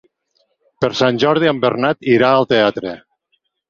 Per Sant Jordi en Bernat irà al teatre.